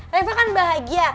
reva kan bahagia